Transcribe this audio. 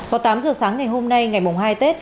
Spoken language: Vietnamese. vào tám giờ sáng ngày hôm nay ngày hai tết